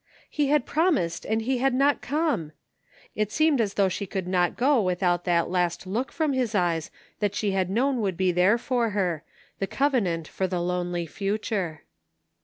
He had promised and he had not come ! It seemed as though she could not go with out that last look from his eyes that she had known would be there for her, the covenant for the lonely future.